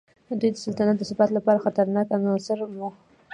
دوی د سلطنت د ثبات لپاره خطرناک عناصر وو.